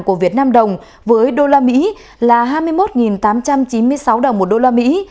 của việt nam đồng với đô la mỹ là hai mươi một tám trăm chín mươi sáu đồng một đô la mỹ